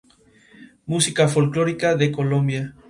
Música folclórica de Colombia